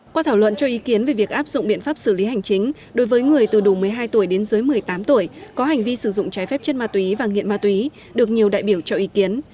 qua thảo luận cho ý kiến về việc áp dụng biện pháp xử lý hành chính đối với người từ đủ một mươi hai tuổi đến dưới một mươi tám tuổi có hành vi sử dụng trái phép chất ma túy và nghiện ma túy được nhiều đại biểu cho ý kiến